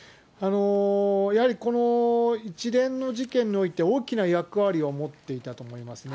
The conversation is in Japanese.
やはりこの一連の事件において、大きな役割を持っていたと思いますね。